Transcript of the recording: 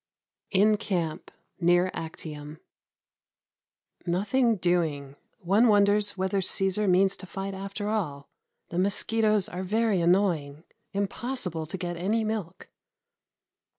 In Camp near Actium. Nothing doing. One wonders whether Cæsar means to fight after all. The mosquitoes are very annoying. Impossible to get any milk.